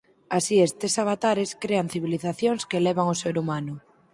Así estes avatares crean civilizacións que elevan o ser humano.